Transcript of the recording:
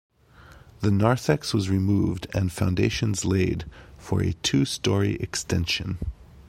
The narthex was removed and foundations laid for a two-storey extension.